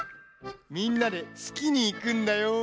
みんなでつきにいくんだよ！